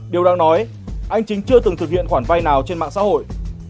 điều đáng nói anh chính chưa từng thực hiện khoản vay nào trên mạng xã hội